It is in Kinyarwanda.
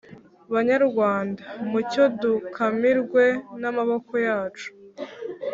banyarwanda! mucyo dukamirwe n’amaboko yacu